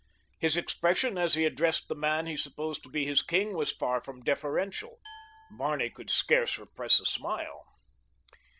His expression as he addressed the man he supposed to be his king was far from deferential. Barney could scarce repress a smile.